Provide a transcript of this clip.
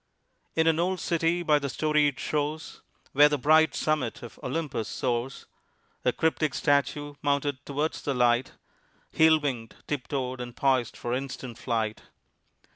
In an old city by the storied shores Where the bright summit of Olympus soars, A cryptic statue mounted towards the light Heel winged, tip toed, and poised for instant flight.